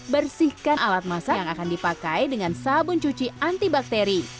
bersihkan alat masak yang akan dipakai dengan sabun cuci antibakteri